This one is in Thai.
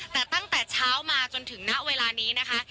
แต่ตั้งแต่เช้ามาจนถึงณเวลานี้นะคะ